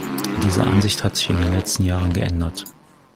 Diese Ansicht hat sich in den letzten Jahren geändert.